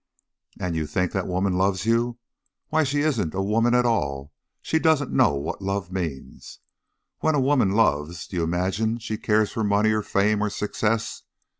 "And you think that woman loves you! Why, she isn't a woman at all she doesn't know what love means. When a woman loves, do you imagine she cares for money or fame or success?